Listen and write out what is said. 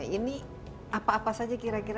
ini apa apa saja kira kira